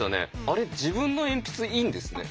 あれ自分の鉛筆いいんですね。